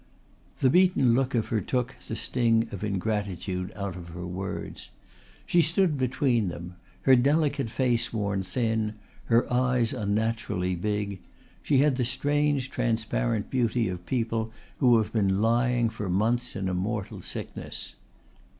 The beaten look of her took the sting of ingratitude out of her words. She stood between them, her delicate face worn thin, her eyes unnaturally big; she had the strange transparent beauty of people who have been lying for months in a mortal sickness.